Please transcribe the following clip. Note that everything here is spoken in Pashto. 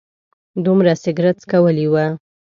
دومره سګرټ څکولي و.